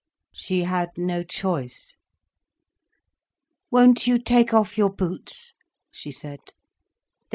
She had no choice. "Won't you take off your boots," she said.